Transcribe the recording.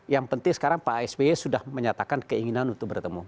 yang penting sekarang pak sby sudah menyatakan keinginan untuk bertemu